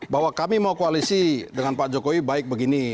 bahwa kami mau koalisi dengan pak jokowi baik begini